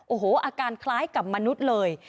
โอ้โหอาการคล้ายกับมนุษย์เลย